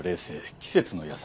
季節の野菜添え。